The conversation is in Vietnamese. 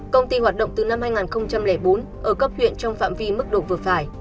công ty hoạt động từ năm hai nghìn bốn ở cấp huyện trong phạm vi mức độ vừa phải